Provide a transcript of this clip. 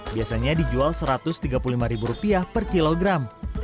biasanya dijual rp satu ratus tiga puluh lima per kilogram